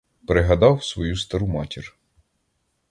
Пригадав свою стару матір.